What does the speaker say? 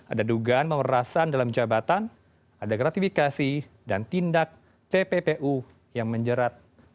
ada dugaan memerasan dalam jabatan ada gratifikasi dan tindak tppu yang menjerat